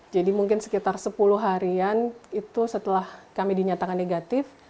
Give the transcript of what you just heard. jadi mungkin sekitar sepuluh harian itu setelah kami dinyatakan negatif